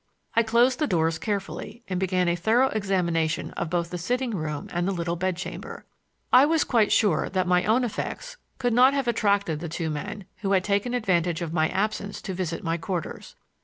I closed the doors carefully and began a thorough examination of both the sitting room and the little bed chamber. I was quite sure that my own effects could not have attracted the two men who had taken advantage of my absence to visit my quarters.